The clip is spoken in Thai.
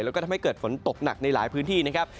แล้วก็ทำให้เกิดฝนตกหนักในหลายพื้นที่นะครับ